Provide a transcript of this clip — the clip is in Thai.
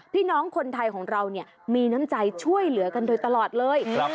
พี่น้องคนไทยของเราเนี่ยมีน้ำใจช่วยเหลือกันโดยตลอดเลย